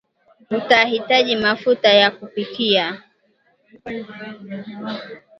utahitaji mafuta ya kupikia